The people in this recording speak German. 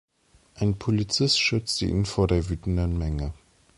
Ein Polizist schützte ihn vor der wütenden Menge.